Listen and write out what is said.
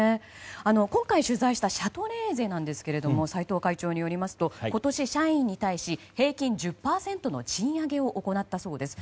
今回取材したシャトレーゼですが齊藤会長によりますと今年、社員に対し平均１０％の賃上げを行ったそうです。